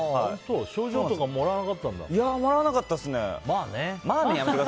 賞状とかもらわなかったんだ。